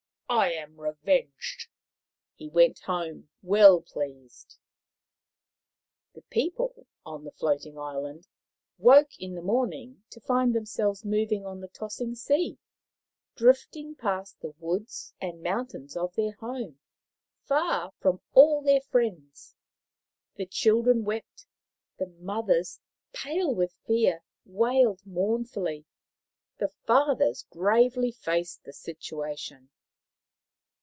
" I am revenged." He went home well pleased. The people on the floating island woke in the 228 Maoriland Fairy Tales morning to find themselves moving on the tossing sea, drifting past the woods and mountains of their home, far from all their friends. The children wept, the mothers, pale with fear, wailed mournfully, the fathers gravely faced the situation.